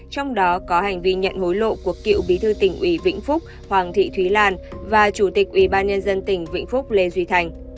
trong đó có hành vi nhận hối lộ của cựu bí thư tỉnh ủy vĩnh phúc hoàng thị thúy lan và chủ tịch ủy ban nhân dân tỉnh vĩnh phúc lê duy thành